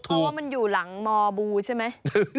เพราะว่ามันอยู่หลังมบูใช่ไหม